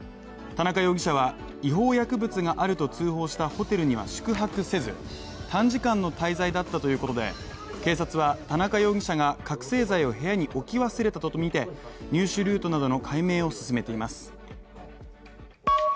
田中容疑者は、違法薬物があると通報したホテルには宿泊せず短時間の滞在だったということで警察は田中容疑者が覚醒剤を部屋に置き忘れたとみて入手ルートなどの解明を進めています。